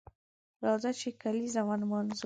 راځه چې کالیزه ونمانځو